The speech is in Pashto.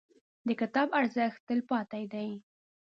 • د کتاب ارزښت، تلپاتې دی.